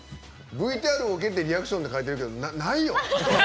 ＶＴＲを受けてリアクションって書いてあるけどないよ！